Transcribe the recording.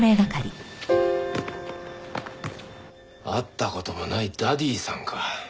会った事もないダディさんか。